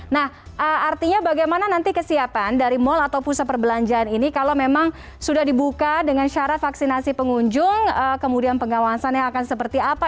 nah artinya bagaimana nanti kesiapan dari mal atau pusat perbelanjaan ini kalau memang sudah dibuka dengan syarat vaksinasi pengunjung kemudian pengawasannya akan seperti apa